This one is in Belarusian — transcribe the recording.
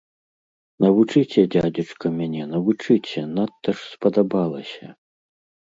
Навучыце, дзядзечка, мяне, навучыце, надта ж спадабалася.